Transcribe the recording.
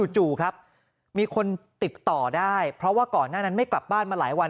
จู่ครับมีคนติดต่อได้เพราะว่าก่อนหน้านั้นไม่กลับบ้านมาหลายวัน